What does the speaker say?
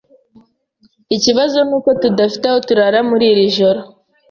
Ikibazo nuko tudafite aho turara muri iri joro.